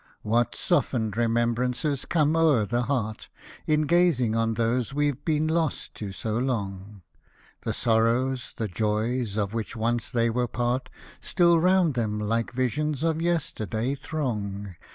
What softened remembrances come o'er the heart, In gazing on those we've been lost to so long ! The sorrows, the joys, of which once they were part, Still round them, like visions of yesterday, throng.